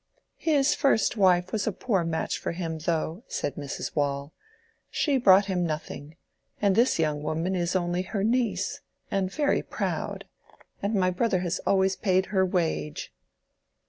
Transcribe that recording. "His first wife was a poor match for him, though," said Mrs. Waule. "She brought him nothing: and this young woman is only her niece,—and very proud. And my brother has always paid her wage."